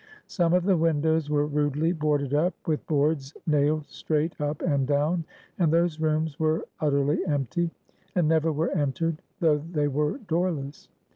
Some of the windows were rudely boarded up, with boards nailed straight up and down; and those rooms were utterly empty, and never were entered, though they were doorless.